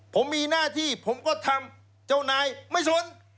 ผมมีหน้าที่ผมก็ทำเจ้านายไม่สน